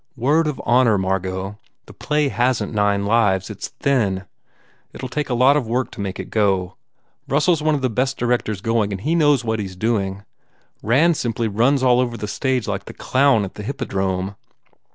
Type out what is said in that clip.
Word of honour, Margot, the play hasn t nine lives. It s thin. It ll take a lot of work to make it go. Russell s one of the best directors going and he knows what he s doing. Rand simply runs all over the stage like that clown at the Hippodrome."